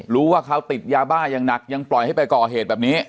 รู้ว่าเขาติดยาบ้าอย่างหนักยังปล่อยให้ไปก่อเหตุแบบนี้